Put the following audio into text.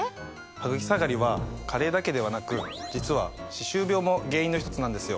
ハグキ下がりは加齢だけではなく実は歯周病も原因の一つなんですよ。